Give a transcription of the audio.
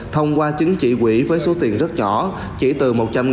thông qua trứng chỉ quỹ với số tiền rất nhỏ chỉ từ một trăm linh